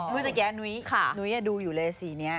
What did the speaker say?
นุ้ยสักแค่นุ้ยนุ้ยดูอยู่เลยสีเนี้ย